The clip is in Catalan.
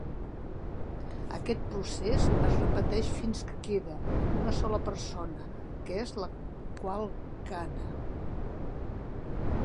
Aquest procés es repeteix fins que queda una sola persona, que és la qual gana.